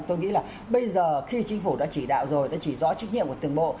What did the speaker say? tôi nghĩ là bây giờ khi chính phủ đã chỉ đạo rồi đã chỉ rõ trách nhiệm của từng bộ